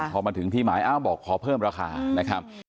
พอมาถึงที่หมายอ้าวบอกขอเพิ่มราคานะครับ